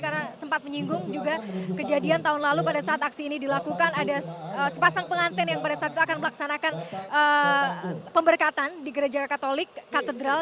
karena sempat menyinggung juga kejadian tahun lalu pada saat aksi ini dilakukan ada sepasang pengantin yang pada saat itu akan melaksanakan pemberkatan di gereja katolik katedral